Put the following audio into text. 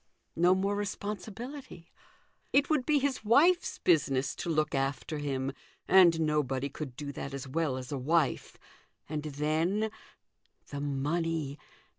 No more responsibility. It would be his wife's business to look after him, and nobody could do that as well as a wife. And then the money.